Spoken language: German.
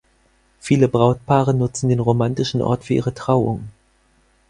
Viele Brautpaare nutzen den romantischen Ort für ihre Trauung.